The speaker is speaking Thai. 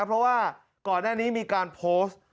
เพราะว่าก่อนหน้านี้มีการโพสต์